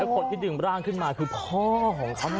คนที่ดึงร่างขึ้นมาคือพ่อของเขา